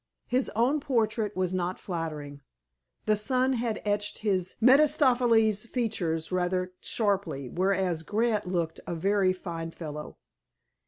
His own portrait was not flattering. The sun had etched his Mephistophelian features rather sharply, whereas Grant looked a very fine fellow.